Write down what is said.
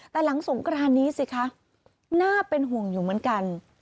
แต่หลังสงกรานนี้สิคะน่าเป็นห่วงอยู่เหมือนกัน